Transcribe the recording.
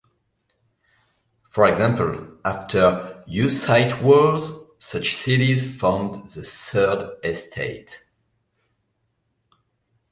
For example, after Hussite Wars such cities formed the Third estate.